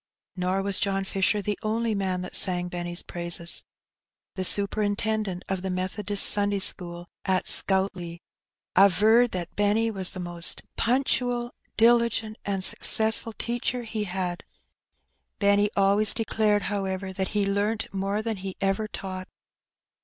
'' Nor was John Fisher the only man that sang Benny's praises. The superintendent of the Methodist Sunday school at Scoutleigh averred that Benny was the most punctual, diligent, and successful teacher he had. Life at the Farm. 231 Benny always declared, however, that he learnt more than he ever taught.